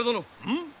うん？